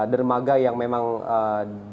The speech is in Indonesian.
dermaga yang memang dikatakan